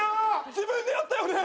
自分でやったよね？